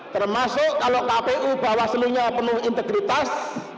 termasuk kalau kpu bawaslu nya penuh integritas